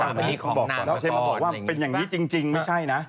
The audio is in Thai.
ต้องพูดไปนี่ก็เป็นอย่างนี้จริงไม่ใช่นะ